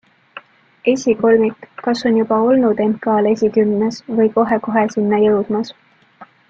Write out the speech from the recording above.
Esikolmik, kas on juba olnud MK-l esikümnes või kohe-kohe sinna jõudmas.